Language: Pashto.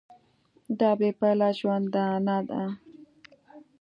دا بې پایه ژوندانه ده.